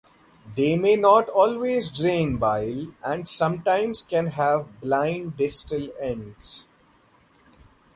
They may not always drain bile and sometimes can have blind distal ends.